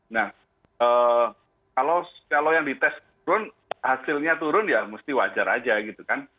nah kalau yang dites turun hasilnya turun ya mesti wajar aja gitu kan